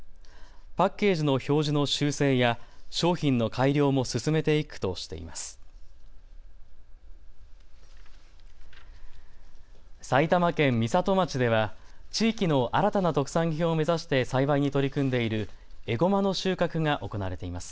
パッケージの表示の修正や商品の改良も進めていくとしています。